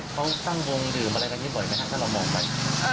เขาตั้งวงดื่มอะไรกันนี้บ่อยไหมครับถ้าเรามองไป